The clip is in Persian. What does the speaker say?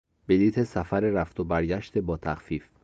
بلیط سفر رفت و برگشت با تخفیف